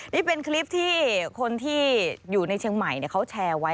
นี่เป็นคลิปที่คนที่อยู่ในเชียงใหม่เขาแชร์ไว้